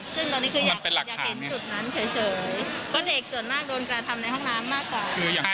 ซึ่งตอนนี้คืออยากเห็นจุดนั้นเฉยเพราะเด็กส่วนมากโดนกระทำในห้องน้ำมากกว่า